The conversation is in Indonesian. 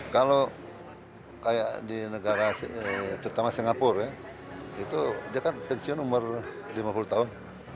kalau kayak di negara terutama singapura ya itu dia kan pensiun umur lima puluh tahun